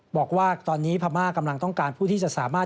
บอกว่าตอนนี้พม่ากำลังต้องการผู้ที่จะสามารถ